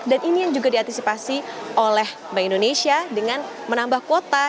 dan ini yang juga diantisipasi oleh bank indonesia dengan menambah kuota